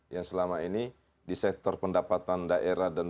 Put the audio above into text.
yang selama ini di sektor pendapatan daerah dan